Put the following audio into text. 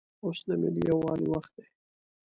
اوس دملي یووالي وخت دی